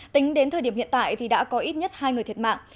tính đến thời điểm hiện tại thì đã có ít nhất hai người thiệt mạng